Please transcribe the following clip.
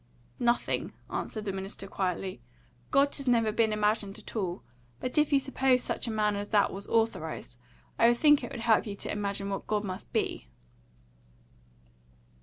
"Nothing," answered the minister quietly. "God has never been imagined at all. But if you suppose such a man as that was Authorised, I think it will help you to imagine what God must be."